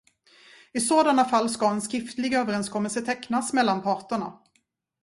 I sådana fall ska en skriftlig överenskommelse tecknas mellan parterna.